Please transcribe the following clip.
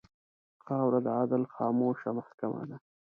خاوره د عدل خاموشه محکمـه ده.